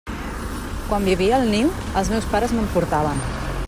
Quan vivia al niu, els meus pares me'n portaven.